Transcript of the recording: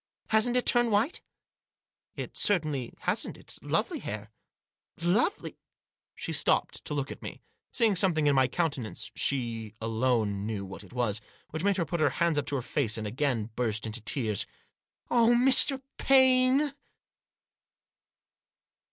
Hasn't it turned white ?"" It certainly hasn't It's lovely hair." " Lovely ?" She stopped, to look at me ; seeing something in my countenance — she alone knew what it was — which made her put her hands up to her face, and burst again into tears. "Oh, Mr. Paine!"